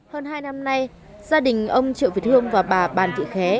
hơn hai năm nay gia đình ông triệu việt hương và bà bàn thị khé